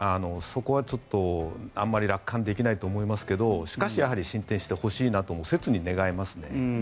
そこはちょっとあまり楽観できないと思いますけどしかし、進展してほしいなと切に願いますね。